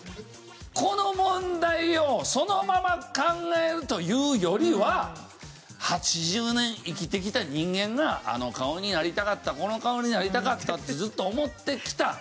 この問題をそのまま考えるというよりは８０年生きてきた人間があの顔になりたかったこの顔になりたかったってずっと思ってきた。